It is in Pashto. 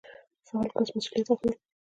فعال کس مسوليت اخلي.